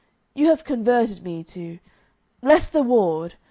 You have converted me to Lester Ward!